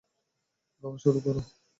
গাওয়া শুরু করো!